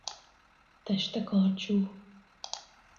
Teste karcsú.